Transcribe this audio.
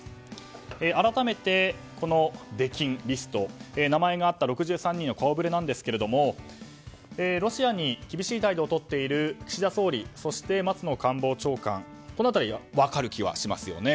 改めて、出禁リストに名前があった６３の顔ぶれなんですがロシアに厳しい態度をとっている岸田総理そして、松野官房長官この辺りは分かる気がしますよね。